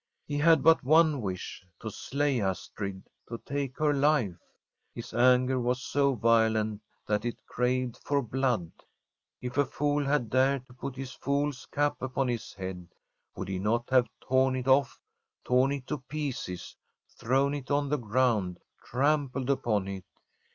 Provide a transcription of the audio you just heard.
He had but one wish: to slay Astrid, to take her life. His anger was so violent that it craved for blood. If a fool had dared to put his fool's cap upon his head, would he not have torn it off, torn it to pieces, thrown it on the ground, trampled upon it